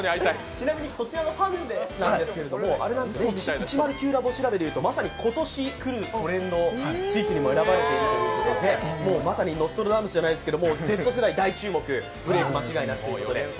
ちなみにこちらのパヌレなんですけれども、１０９調べでいうとまさに今年来るトレンドスイーツにも選ばれているということでまさにノストラダムスじゃないですけど、Ｚ世代ブレイク間違いなしということで。